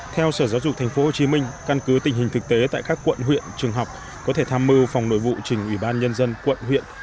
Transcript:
theo sở giáo dục tp hcm căn cứ tình hình thực tế tại các quận huyện trường học có thể tham mưu phòng nội vụ trình ủy ban nhân dân quận huyện